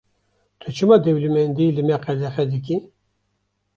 Tu çima dewlemendiyê li me qedexe dikî?